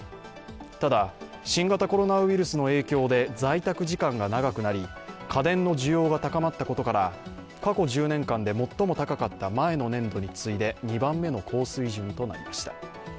ただ、新型コロナウイルスの影響で在宅時間が長くなり家電の需要が高まったことから、過去１０年間で最も高かった前の年度に次いで２番目の高水準となりました。